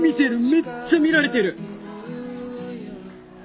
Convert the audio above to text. めっちゃ見られてる！